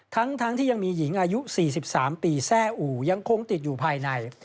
ทั้งที่ยังมีหญิงอายุ๔๓ปีแซ่อู่ยังคงติดอยู่ภายใน